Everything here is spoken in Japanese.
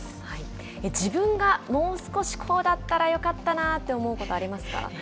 自分がもう少しこうだったらよかったなと思うことありますか？